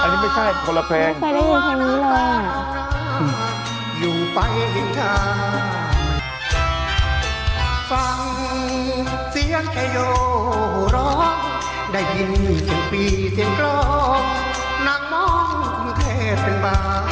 อันนี้ไม่ใช่คนละเพลงไม่เคยได้ยินเพลงนี้เลย